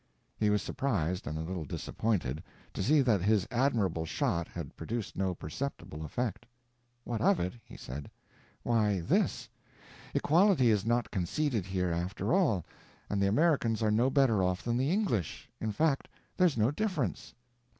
He was surprised and a little disappointed, to see that his admirable shot had produced no perceptible effect. "What of it?" he said. "Why this: equality is not conceded here, after all, and the Americans are no better off than the English. In fact there's no difference."